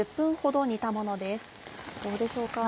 どうでしょうか。